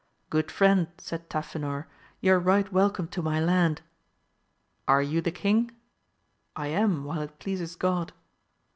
Good friend, said Tafinor, you are right welcome to my land. — Are you the king? — I am, while it pleases God.